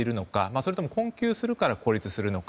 それとも困窮するから孤立するのか。